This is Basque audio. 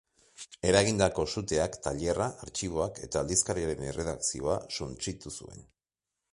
Eragindako suteak tailerra, artxiboak eta aldizkariaren erredakzioa suntsitu zuen.